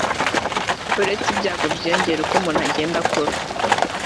uretse ibyago byiyongera uko umuntu agenda akura